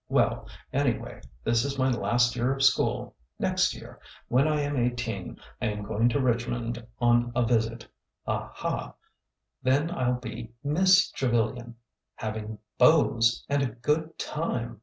Well,— anyway, this is my last year of school ! Next year, when I am eighteen, I am going to Richmond on a visit. A ha 1 Then I'll be Miss Trevilian! having beaus! and a good time